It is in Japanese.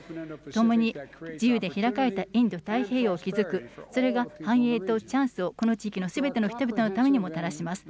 ともに自由で開かれたインド太平洋を築く、それが繁栄とチャンスを、この地域のすべての人々のためにもたらします。